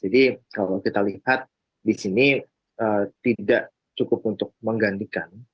jadi kalau kita lihat di sini tidak cukup untuk menggantikan